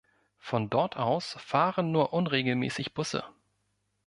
Von dort aus fahren nur unregelmäßig Busse.